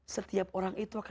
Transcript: setiap orang itu akan